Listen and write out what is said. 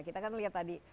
kita kan lihat tadi